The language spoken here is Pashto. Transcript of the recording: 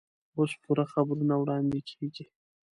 اوس پوره خبرونه واړندې کېږي.